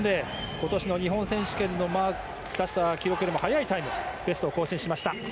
今年の日本選手権で出した記録よりも速いタイムでベストを更新しました。